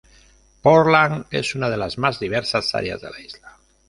Portland es una de las más diversas áreas de la isla.